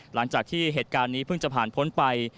หลังจากที่เหตุการณ์นี้เพิ่งจะผ่านพ้นไป